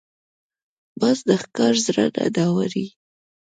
باز د ښکار زړه نه ډاروي